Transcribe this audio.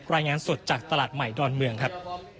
รายงานสดจากตลาดใหม่ดอนเมืองครับ